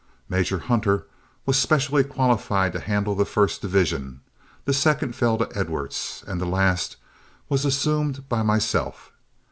Major Hunter was specially qualified to handle the first division, the second fell to Edwards, and the last was assumed by myself.